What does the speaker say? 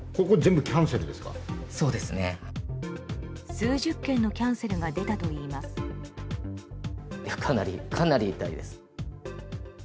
数十件のキャンセルが出たといいます。